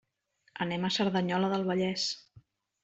Anem a Cerdanyola del Vallès.